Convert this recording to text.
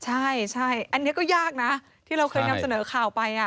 ใช่อันนี้ก็ยากนะที่เราเคยนำเสนอข่าวไป